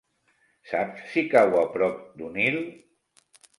Saps si cau a prop d'Onil?